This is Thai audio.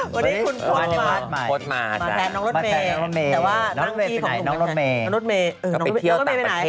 ผมเขามาทำให้เพลินหนังนะ